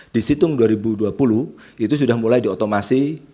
di situng dua ribu dua puluh itu sudah mulai diotomasi